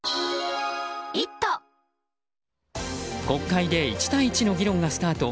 国会で１対１の議論がスタート。